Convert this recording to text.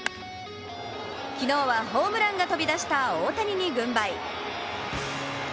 昨日はホームランが飛び出した大谷に軍配。